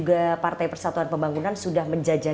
ya parti saya mencolongku sebagai capres